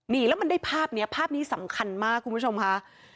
นี่แล้วมันได้ภาพนี้ภาพนี้สำคัญมากคุณผู้ชมค่ะ